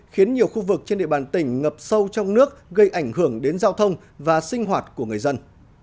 khiến nhiều khu vực trên địa bàn tỉnh ngập sâu trong nước gây ảnh hưởng đến giao thông và sinh hoạt của người dân